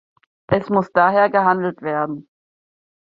Es muss daher gehandelt werden.